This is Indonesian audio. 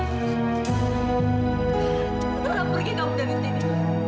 tolong pergi kamu dari sini